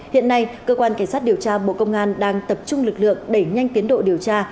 hiện nay cơ quan cảnh sát điều tra bộ công an đang tập trung lực lượng đẩy nhanh tiến độ điều tra